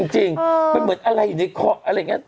จริงมันเหมือนอะไรอยู่ในเคาะอะไรอย่างนี้